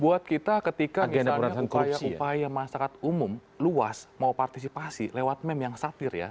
buat kita ketika misalnya upaya upaya masyarakat umum luas mau partisipasi lewat meme yang sapir ya